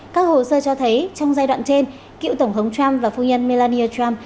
các hồ sơ cho thấy trong giai đoạn trên cựu tổng thống trump và phu nhân melanie trump